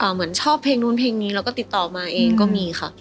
เหมือนชอบเพลงนู้นเพลงนี้แล้วก็ติดต่อมาเองก็มีค่ะ